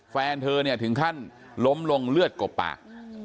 แฟนเธอเนี่ยถึงขั้นล้มลงเลือดกบปาก